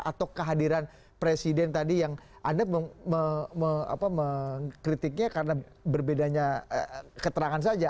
atau kehadiran presiden tadi yang anda mengkritiknya karena berbedanya keterangan saja